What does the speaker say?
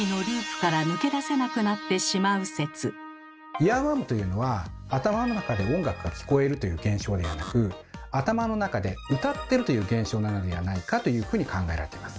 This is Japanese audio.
イヤーワームというのは頭の中で「音楽が聞こえる」という現象ではなく頭の中で「歌っている」という現象なのではないかというふうに考えられています。